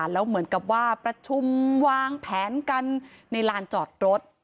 แล้วเหมือนกับว่าประชุมวางแผนกันในลานจอดรถ